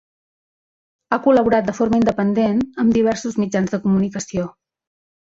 Ha col·laborat de forma independent amb diversos mitjans de comunicació.